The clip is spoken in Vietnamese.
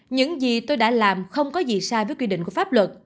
những gì tôi đã làm không có gì sai với quy định của pháp luật